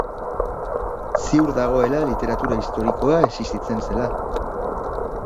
Ziur dagoela literatura historikoa existitzen zela.